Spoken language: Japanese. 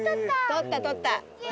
取った取った。